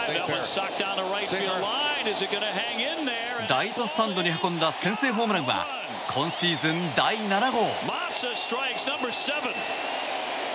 ライトスタンドに運んだ先制ホームランは今シーズン第７号。